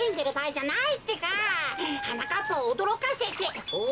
はなかっぱをおどろかせておっ？